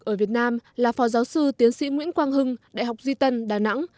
ở việt nam là phó giáo sư tiến sĩ nguyễn quang hưng đại học duy tân đà nẵng